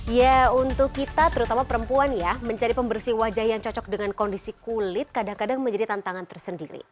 ya untuk kita terutama perempuan ya mencari pembersih wajah yang cocok dengan kondisi kulit kadang kadang menjadi tantangan tersendiri